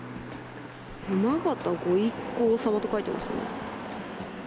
山形御一行様と書いてありますね。